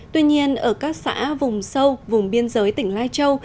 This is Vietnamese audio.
tuy nhiên ở các xã vùng sâu vùng biên giới tỉnh lai châu